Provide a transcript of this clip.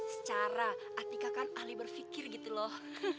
secara atika kan ahli berfikir gitu loh